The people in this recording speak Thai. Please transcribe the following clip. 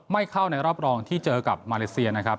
เข้าในรอบรองที่เจอกับมาเลเซียนะครับ